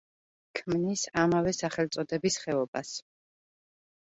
ქმნის ამავე სახელწოდების ხეობას.